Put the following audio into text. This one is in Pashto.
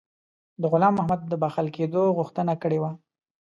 د غلام محمد د بخښل کېدلو غوښتنه کړې وه.